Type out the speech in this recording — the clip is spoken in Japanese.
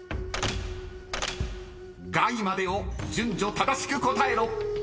［垓までを順序正しく答えろ］